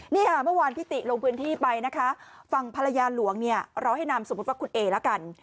นี่ค่ะเมื่อวานพิติลงพื้นที่ไปนะคะฝั่งภรรยาหลวงเนี่ยเราให้นามสมมุติว่าคุณเอละกัน